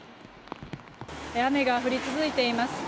雨が降り続いています。